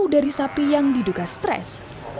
dari sapi yang diduga stres